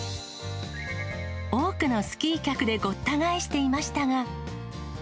多くのスキー客でごった返していましたが。